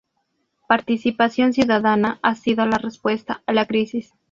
Participación ciudadana ha sido la respuesta a la crisis.